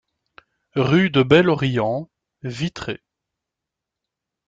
Rue de Bel-Orient, Vitré